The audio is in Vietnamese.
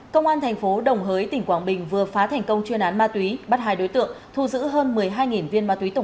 công an thành phố đồng hới tỉnh quảng bình vừa phá thành công chuyên án ma túy bắt hai đối tượng thu giữ hơn một mươi hai viên ma túy tổng